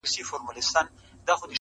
اوس مو د زلمو مستي له وخته سره ژاړي-